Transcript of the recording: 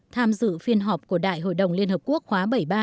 tham dự phiên họp của đại hội đồng liên hợp quốc khóa bảy mươi ba